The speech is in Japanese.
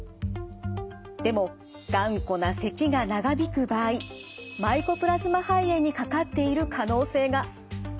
でも頑固なせきが長引く場合マイコプラズマ肺炎にかかっている可能性が。